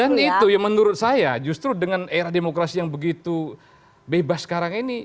dan itu yang menurut saya justru dengan era demokrasi yang begitu bebas sekarang ini